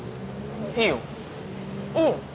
いいよ。いいよ？